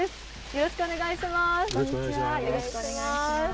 よろしくお願いします。